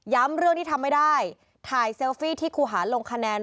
เรื่องที่ทำไม่ได้ถ่ายเซลฟี่ที่ครูหาลงคะแนน